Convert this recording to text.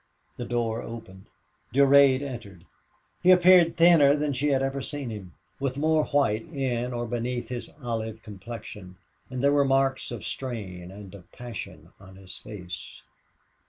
The door opened. Durade entered. He appeared thinner than she had ever seen him, with more white in or beneath his olive complexion, and there were marks of strain and of passion on his face.